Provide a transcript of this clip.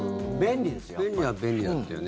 便利は便利だっていうね。